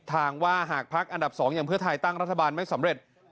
ทางว่าหากพักอันดับ๒อย่างเพื่อไทยตั้งรัฐบาลไม่สำเร็จ